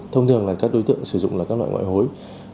thông thường là các đối tượng sử dụng là các loại ngoại hối